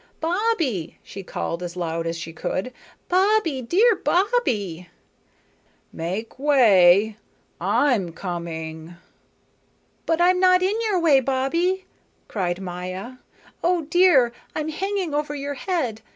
"Bobbie," she called, as loud as she could, "Bobbie, dear Bobbie!" "Make way! I'm coming." "But I'm not in your way, Bobbie," cried Maya. "Oh dear, I'm hanging over your head.